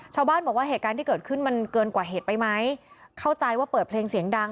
ชาวบ้านบอกว่าเหตุการณ์ที่เกิดขึ้นมันเกินกว่าเหตุไปไหมเข้าใจว่าเปิดเพลงเสียงดัง